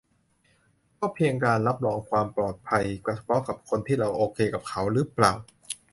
ก็เพียงการรับรองความปลอดภัยเฉพาะกับคนที่เราโอเคกับเขาหรือเปล่า